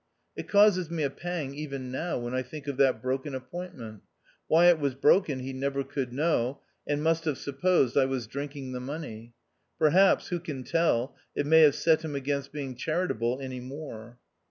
It causes me a pang even now when I think of that broken appointment. Why it was broken he never could know, and must have sup posed I was drinking the money. Perhaps (who can tell ?) it may have set him against being charitable any more.